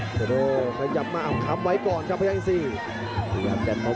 โดโด้ขยับมาเอาคำไว้ก่อนครับพยายามอีซี